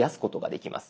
できます。